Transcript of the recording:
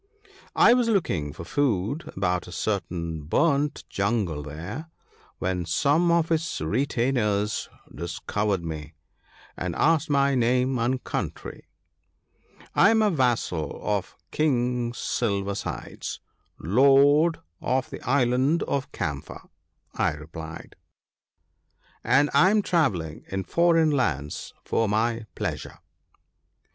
I was looking for food about a certain burnt jungle there, when some of his retainers discovered me, and asked my name and country. " I am a vassal of King Silver sides, Lord of the Island of Camphor," I replied, "and I am travelling in foreign lands for my pleasure."